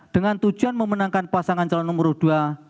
dengan tujuan memenangkan pasangan calon nomor dua